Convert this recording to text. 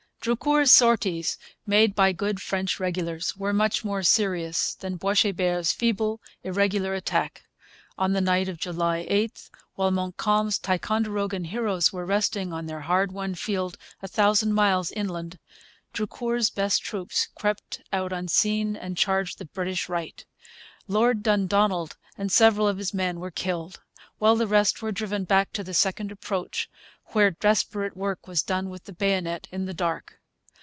Drucour's sorties, made by good French regulars, were much more serious than Boishebert's feeble, irregular attack. On the night of July 8, while Montcalm's Ticonderogan heroes were resting on their hard won field a thousand miles inland, Drucour's best troops crept out unseen and charged the British right. Lord Dundonald and several of his men were killed, while the rest were driven back to the second approach, where desperate work was done with the bayonet in the dark.